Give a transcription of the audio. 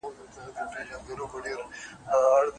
پر دېوان مي یم پښېمانه خپل شعرونه ښخومه